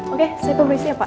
oke saya pemeriksa ya pak